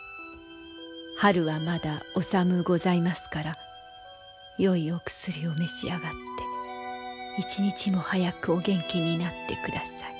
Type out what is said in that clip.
春はまだお寒うございますからよいお薬を召し上がって一日も早くお元気になってください。